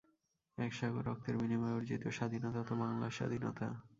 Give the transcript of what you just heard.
এক সাগর রক্তের বিনিময়ে অর্জিত স্বাধীনতা তো বাংলার স্বাধীনতা।